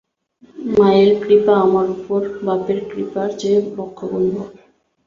মায়ের কৃপা আমার উপর বাপের কৃপার চেয়ে লক্ষ গুণ বড়।